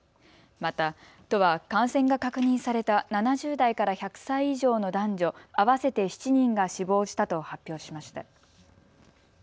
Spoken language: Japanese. また都は感染が確認された７０代から１００歳以上の男女合わせて７人が死亡したと発表しました。